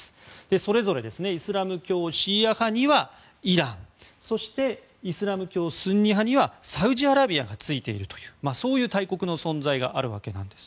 それぞれイスラム教シーア派にはイランそしてイスラム教スンニ派にはサウジアラビアがついているという大国の存在があるわけです。